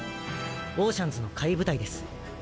オーシャンズの下位部隊です。